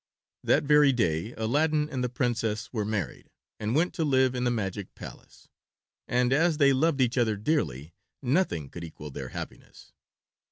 That very day Aladdin and the Princess were married, and went to live in the magic palace, and as they loved each other dearly nothing could equal their happiness.